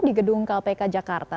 di gedung kpk jakarta